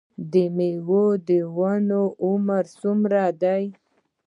د میوو د ونو عمر څومره دی؟